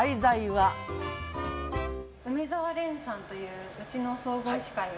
梅澤廉さんという、うちの総合司会を。